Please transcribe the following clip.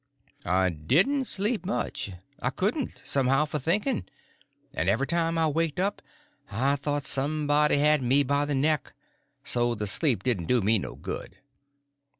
I didn't sleep much. I couldn't, somehow, for thinking. And every time I waked up I thought somebody had me by the neck. So the sleep didn't do me no good.